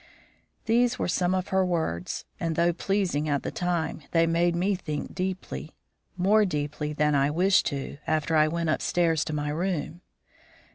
These were some of her words, and, though pleasing at the time, they made me think deeply much more deeply than I wished to, after I went upstairs to my room.